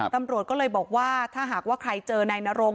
ตำรวจก็เลยบอกว่าถ้าหากว่าใครเจอนายนรง